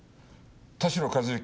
田代和行